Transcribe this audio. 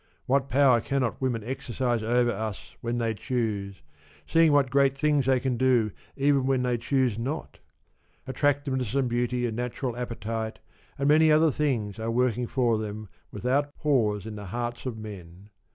What power cannot women exercise over us when they choose, seeing what great things they can do even when they choose not ? Attractiveness and beauty and natural appetite and many other things are working for them without pause in the hearts of men.